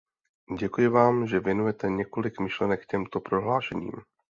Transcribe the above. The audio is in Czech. Děkuji vám, že věnujete několik myšlenek těmto prohlášením.